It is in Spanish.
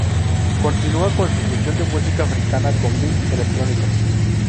Continúa con su fusión de música africana con beats electrónicos.